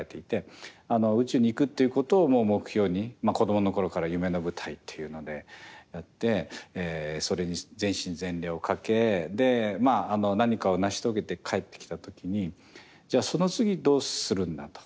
宇宙に行くっていうことをもう目標に子供の頃から夢の舞台っていうのでやってそれに全身全霊を懸け何かを成し遂げて帰ってきた時にじゃあその次どうするんだと。